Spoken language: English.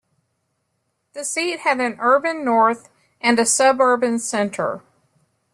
The seat had an urban north and a suburban centre.